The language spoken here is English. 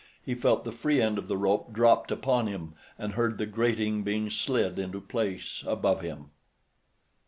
He felt the free end of the rope dropped upon him and heard the grating being slid into place above him.